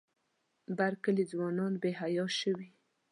بر کلي ځوانان بې حیا شوي.